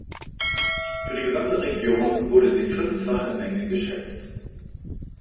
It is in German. Für die gesamte Region wurde die fünffache Menge geschätzt.